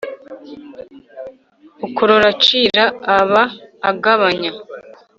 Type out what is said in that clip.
Ukorora acira aba agabanya.